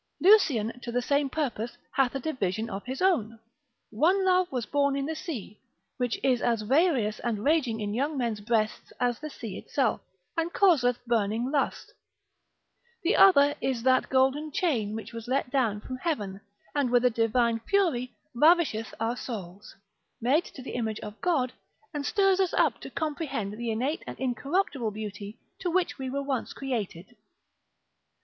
Lucian, to the same purpose, hath a division of his own, One love was born in the sea, which is as various and raging in young men's breasts as the sea itself, and causeth burning lust: the other is that golden chain which was let down from heaven, and with a divine fury ravisheth our souls, made to the image of God, and stirs us up to comprehend the innate and incorruptible beauty to which we were once created.